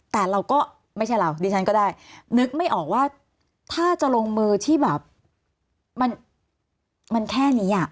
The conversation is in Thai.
แต่เราก็ไม่ใช่เราดิฉันก็ได้นึกไม่ออกว่าถ้าจะลงมือที่แบบมันแค่นี้อ่ะ